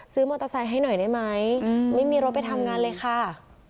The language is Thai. มอเตอร์ไซค์ให้หน่อยได้ไหมไม่มีรถไปทำงานเลยค่ะ